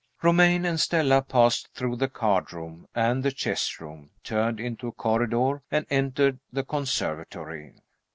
Romayne and Stella passed through the card room and the chess room, turned into a corridor, and entered the conservatory.